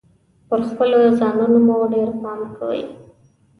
پر خپلو ځانونو مو ډیر پام کوﺉ .